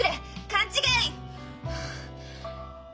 勘違い！